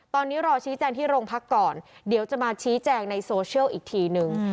ตอนนี้รอชี้แจงที่โรงพักก่อนเดี๋ยวจะมาชี้แจงในโซเชียลอีกทีนึง